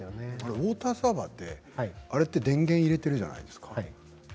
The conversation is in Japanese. ウォーターサーバーは電源を入れているじゃないですか。